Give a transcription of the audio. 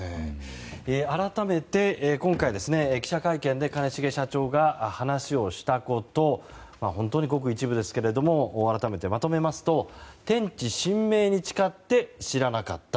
改めて今回、記者会見で兼重社長が話をしたこと本当にごく一部ですけども改めてまとめますと天地神明に誓って知らなかった。